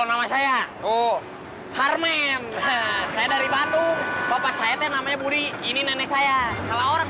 nama saya oh carmen saya dari bandung bapak saya namanya budi ini nenek saya salah orang